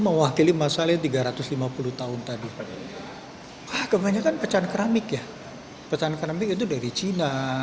mewakili masalahnya tiga ratus lima puluh tahun tadi kebanyakan pecahan keramik ya pecahan keramik itu dari cina